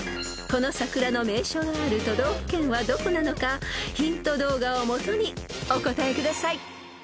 ［この桜の名所がある都道府県はどこなのかヒント動画をもとにお答えください］